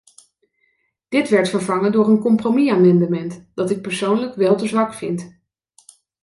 Dit werd vervangen door een compromis-amendement dat ik persoonlijk wel te zwak vind.